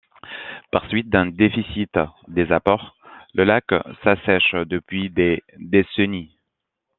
Par suite d'un déficit des apports, le lac s'assèche depuis des décennies.